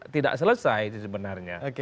tidak selesai sebenarnya